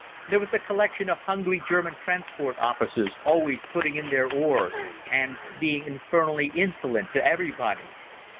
There was a collection of hungry German transport officers always putting in their oars, and being infernally insolent to everybody.